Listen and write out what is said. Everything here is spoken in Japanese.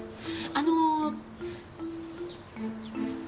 あの。